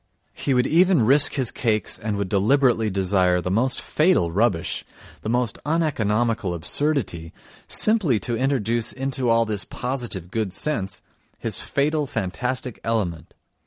He would even risk his cakes and would deliberately desire the most fatal rubbish, the most uneconomical absurdity, simply to introduce into all this positive good sense his fatal fantastic element.